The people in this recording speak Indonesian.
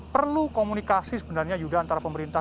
perlu komunikasi sebenarnya yuda antara pemerintah